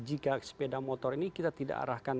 jika sepeda motor ini kita tidak arahkan